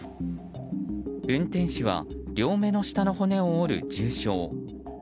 運転手は両目の下の骨を折る重傷。